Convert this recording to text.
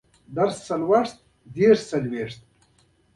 دا خدمتونه دیاز ډیل کاسټیلو هرنان کورټس ته وکړل.